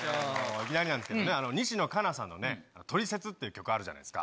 いきなりなんですけれどもね、西野カナさんのね、トリセツっていう曲あるじゃないですか。